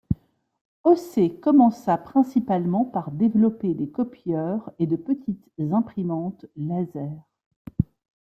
Océ commença principalement par développer des copieurs et de petites imprimantes Laser.